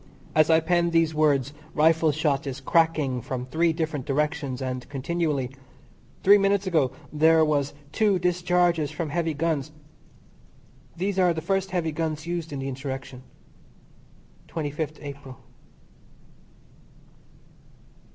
NOTE As I pen these words rifle shot is cracking from three different directions and continually. Three minutes ago there was two discharges from heavy guns. These are the first heavy guns used in the Insurrection, 25th April.